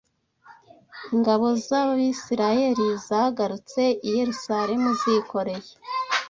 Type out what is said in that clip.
ingabo z’Abisirayeli zagarutse i Yerusalemu zikoreye